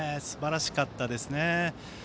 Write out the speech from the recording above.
すばらしかったですね。